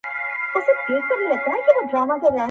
احساس هم کوي